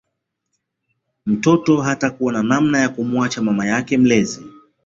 Mtoto hatakuwa na namna ya kumuacha mama yake mlezi